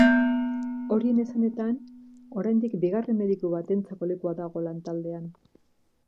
Horien esanetan, oraindik bigarren mediku batentzako lekua dago lantaldean.